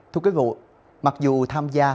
thưa quý vị mặc dù tham gia